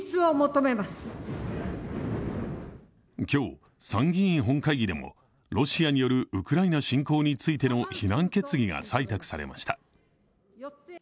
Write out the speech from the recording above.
今日、参議院本会議でもロシアによるウクライナ侵攻についての非難決議が採択されました。